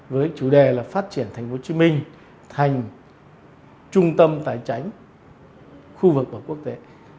với chủ đề là phát triển thành phố hồ chí minh thành trung tâm tài tránh khu vực của quốc tế